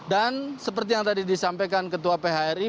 dan seperti yang tadi disampaikan ketua phri